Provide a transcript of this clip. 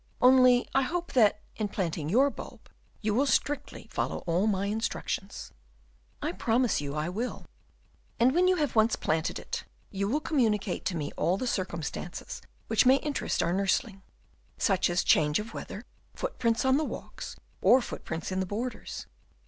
Only I hope that, in planting your bulb, you will strictly follow all my instructions." "I promise you I will." "And when you have once planted it, you will communicate to me all the circumstances which may interest our nursling; such as change of weather, footprints on the walks, or footprints in the borders.